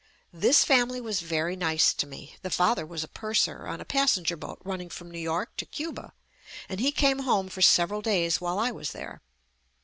This family was very nice to me. The father was a purser on a pas senger boat running from New York to Cuba, and he came home for several days while I was there.